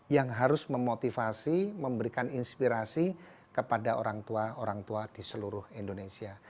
yang harus memotivasi memberikan inspirasi kepada orang tua orang tua di seluruh indonesia